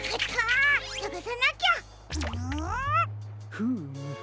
フーム。